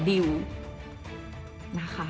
จนดิวไม่แน่ใจว่าความรักที่ดิวได้รักมันคืออะไร